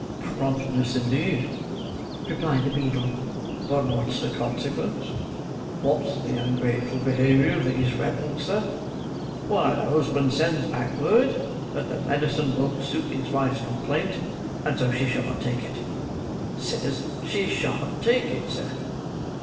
"Promptness, indeed!" replied the beadle. "But what's the consequence; what's the ungrateful behaviour of these rebels, sir? Why, the husband sends back word that the medicine won't suit his wife's complaint, and so she shan't take it—says she shan't take it, sir!